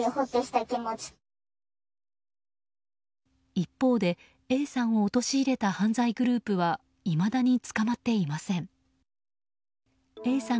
一方でＡさんを陥れた犯罪グループはいまだに捕まっていません。